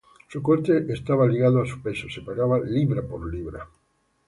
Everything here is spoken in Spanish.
Su coste estaba ligado a su peso: se pagaba "libra por libra".